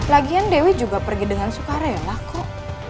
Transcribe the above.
lagian dewi juga pergi dengan sukarela kok